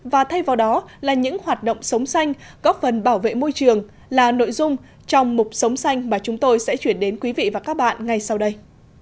và thay vào đó là những hoạt động sống xanh góp phần bảo vệ môi trường là nội dung trong mục sống xanh mà chúng tôi sẽ chuyển đến quý vị và các bạn ngay sau đây